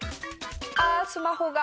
ああースマホが！